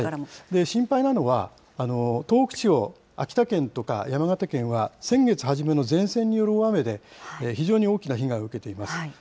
心配なのは東北地方、秋田県とか、山形県は先月初めの前線による大雨で、非常に大きな被害を受けています。